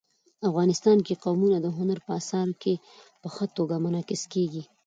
افغانستان کې قومونه د هنر په اثار کې په ښه توګه منعکس کېږي.